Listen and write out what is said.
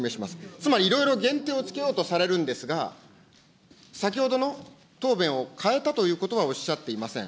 つまりいろいろ限定をつけようとされるんですが、先ほどの答弁を変えたということはおっしゃっていません。